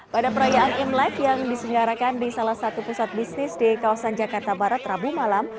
pada perayaan imlek yang disenggarakan di salah satu pusat bisnis di kawasan jakarta barat rabu malam